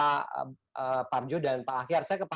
pak arjo dan pak akhyar saya ke pak